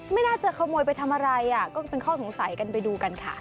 ไม่น่าจะขโมยไปทำอะไรก็เป็นข้อสงสัยกันไปดูกันค่ะ